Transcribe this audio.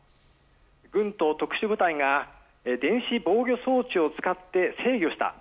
軍と特殊部隊が電子防御装置を使って制御した。